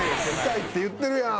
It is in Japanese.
痛いって言ってるやん。